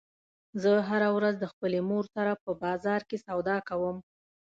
زه هره ورځ د خپلې مور سره په بازار کې سودا کوم